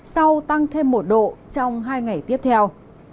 sau tăng thêm một độ trong hai ngày tiếp theo